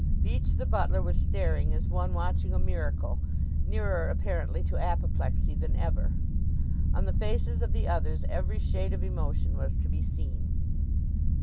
Beach, the butler, was staring as one watching a miracle, nearer apparently to apoplexy than ever. On the faces of the others every shade of emotion was to be seen.